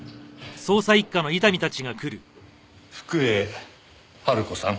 福栄晴子さん。